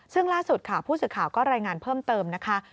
ซึ่งล่าสุดค่ะผู้สื่อข่าวก็รายงานเพิ่มเติมนะคะ